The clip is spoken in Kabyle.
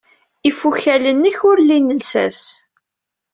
Ifukal-nnek ur lin llsas.